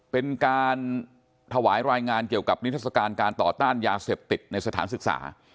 เป็นการถวายรายงานเกี่ยวกับนิทัศกาลการต่อต้านยาเสพติดในสถานศึกษา